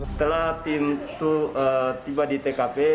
setelah tim itu tiba di tkp